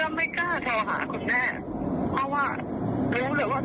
เนี่ยเป็นความรู้สึกที่คุณแม่มีความรู้สึกสเบิร์ต